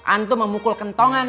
antum memukul kentongan